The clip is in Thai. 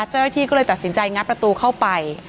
เจ้าหน้าที่ก็เลยตัดสินใจงัดประตูเข้าไป